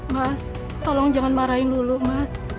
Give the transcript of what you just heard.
mas tolong jangan marahin dulu mas